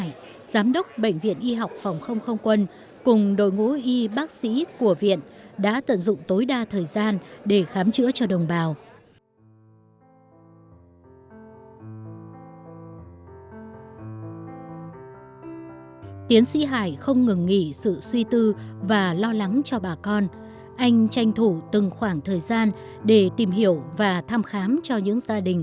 chủ cán bộ y bác sĩ viện y học phòng không không quân đã vượt núi băng ngàn ngược dòng sông mường lát tỉnh thanh hóa